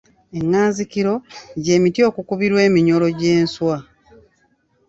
Enganzikiro gye miti okukubirwa eminyoro gy’enswa.